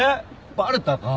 バレたか。